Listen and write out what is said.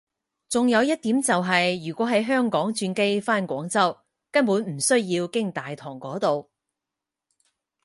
仲有一點就係如果喺香港轉機返廣州根本唔需要經大堂嗰度